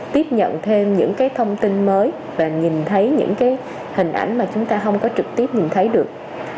tiếp nhận thêm những cái thông tin mới và nhìn thấy những cái hình ảnh mà chúng ta không có trực tiếp nhìn thấy được